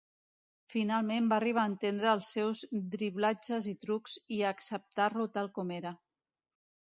Finalment, va arribar a entendre els seus driblatges i trucs, i a acceptar-lo tal com era.